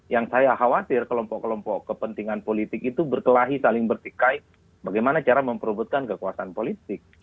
yang saya khawatir kelompok kelompok kepentingan politik itu berkelahi saling bertikai bagaimana cara memperobotkan kekuasaan politik